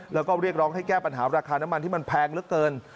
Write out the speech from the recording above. แล้วก็เรียกร้องให้แก้ปัญหาราคาน้ำมันที่มันแพงเหลือเกิน